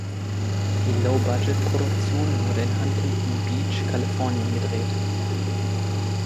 Die Low-Budget-Produktion wurde in Huntington Beach, Kalifornien gedreht.